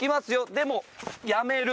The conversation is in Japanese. でもやめる。